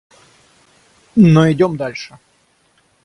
Но идем дальше.